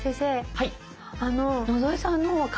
はい。